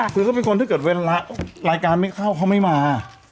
คือเขาเป็นคนถ้าเกิดเวลารายการไม่เข้าเขาไม่มา